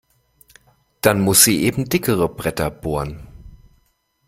Dann muss sie eben dickere Bretter bohren.